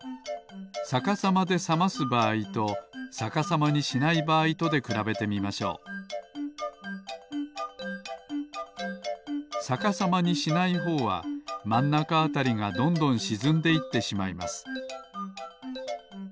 さかさまでさますばあいとさかさまにしないばあいとでくらべてみましょうさかさまにしないほうはまんなかあたりがどんどんしずんでいってしまいます